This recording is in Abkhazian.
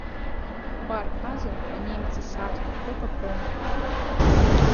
Хәба рҳәазар, анемец исааҭ дахыԥап ҳәа умшәан.